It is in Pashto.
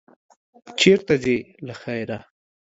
چېرته ځې، له خیره؟